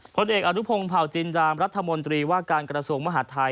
ผลเอกอนุพงศ์เผาจินจามรัฐมนตรีว่าการกระทรวงมหาดไทย